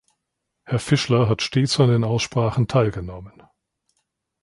Herr Fischler hat stets an den Aussprachen teilgenommen.